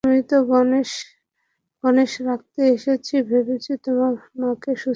আমি তো গনেশ রাখতে এসেছি, ভেবেছি, তোমার মাকে সুস্থ করবে!